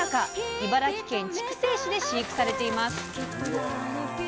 茨城県筑西市で飼育されています。